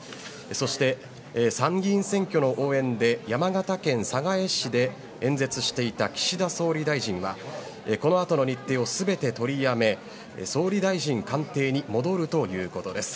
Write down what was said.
そして、参議院選挙の応援で山形県寒河江市で演説していた岸田総理大臣はこのあとの日程を全て取りやめ総理大臣官邸に戻るということです。